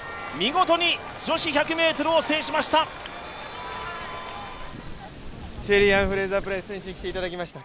見事に女子１００ｍを制しました！